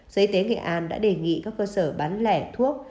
sở y tế nghệ an đã đề nghị các cơ sở bán lẻ thuốc